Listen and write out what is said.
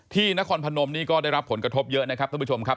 นครพนมนี่ก็ได้รับผลกระทบเยอะนะครับท่านผู้ชมครับ